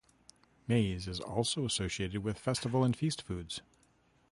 Maize is also associated with festival and feast foods.